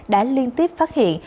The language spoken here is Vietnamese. đã liên tiếp phát hiện